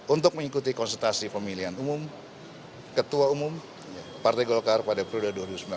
untuk mengikuti konsultasi pemilihan umum ketua umum partai golkar pada periode dua ribu sembilan belas dua ribu dua puluh